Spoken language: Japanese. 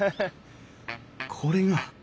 これが？